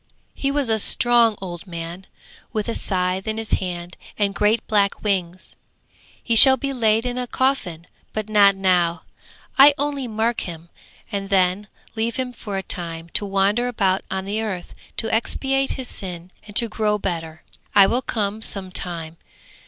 He was a strong old man, with a scythe in his hand and great black wings. 'He shall be laid in a coffin, but not now; I only mark him and then leave him for a time to wander about on the earth to expiate his sin and to grow better. I will come some time.